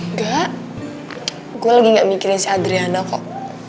enggak gue lagi gak mikirin si adriana kok